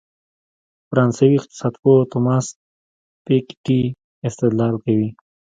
فرانسوي اقتصادپوه توماس پيکيټي استدلال کوي.